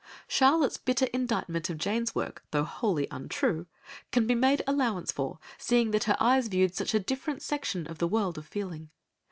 Charlotte's bitter indictment of Jane's work, though wholly untrue, can be made allowance for, seeing that her eyes viewed such a different section of the world of feeling.